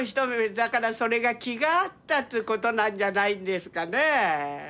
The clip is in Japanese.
だからそれが気が合ったっつうことなんじゃないんですかね。